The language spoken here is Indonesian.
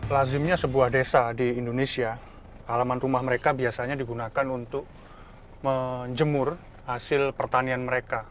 lazimnya sebuah desa di indonesia halaman rumah mereka biasanya digunakan untuk menjemur hasil pertanian mereka